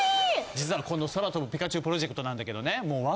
実はこのそらとぶピカチュウプロジェクトなんだけどね。